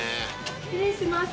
失礼します。